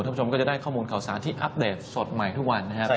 ผู้ชมก็จะได้ข้อมูลข่าวสารที่อัปเดตสดใหม่ทุกวันนะครับ